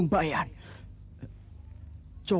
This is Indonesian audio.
untuk ikut ya